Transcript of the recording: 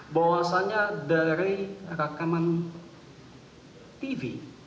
bahwasannya dari rakaman tv